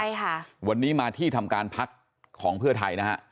ใช่ค่ะวันนี้มาที่ทำการพักของเพื่อไทยนะฮะ